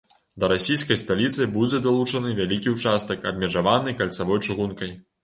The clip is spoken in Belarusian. Да расійскай сталіцы будзе далучаны вялікі ўчастак, абмежаваны кальцавой чыгункай.